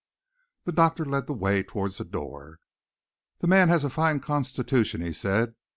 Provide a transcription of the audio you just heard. The doctor led the way towards the door. "The man has a fine constitution," he said.